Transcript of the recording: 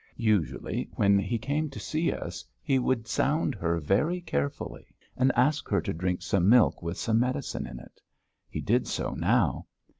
Usually when he came to see us he would sound her very carefully, and ask her to drink some milk with some medicine in it. He did so now.